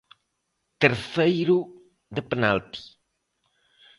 Terceiro de penalti.